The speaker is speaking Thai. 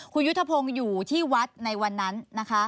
คุณยุทธพงศ์อยู่ที่วัดในวันนั้นนะคะ